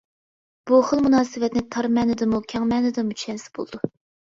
بۇ خىل مۇناسىۋەتنى تار مەنىدىمۇ، كەڭ مەنىدىمۇ چۈشەنسە بولىدۇ.